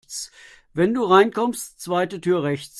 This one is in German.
Wenn du reinkommst, zweite Tür rechts.